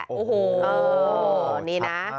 โอ้โหนี่นะ